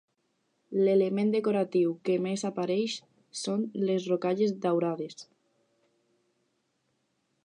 L'element decoratiu que més apareix són les rocalles daurades.